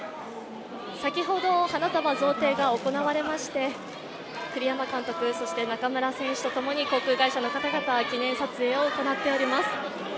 先ほど花束贈呈が行われまして栗山監督、そして中村選手とともに航空会社の方々、記念撮影を行っております。